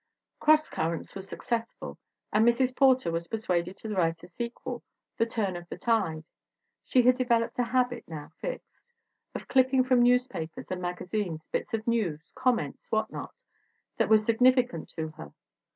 ... Cross Currents was successful and Mrs. Porter was persuaded to write a sequel, The Turn of the Tide. She had developed a habit, now fixed, of clipping from newspapers and magazines bits of news, comments, whatnot, that were significant to her.